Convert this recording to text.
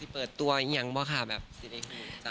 เปิดตัวอีกอย่างบ้วคะแบบสินเอกมูล